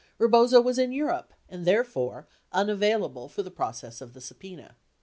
Rebozo was in Europe and, therefore, unavail able for the process of the subpena.